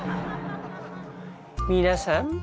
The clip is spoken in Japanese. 皆さん。